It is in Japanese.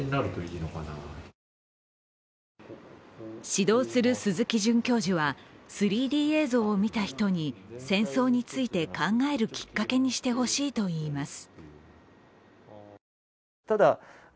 指導する鈴木准教授は３Ｄ映像を見た人に戦争について考えるきっかけにしてほしいといいます。